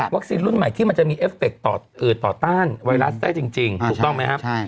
รุ่นใหม่ที่มันจะมีเอฟเฟคต่อต้านไวรัสได้จริงถูกต้องไหมครับ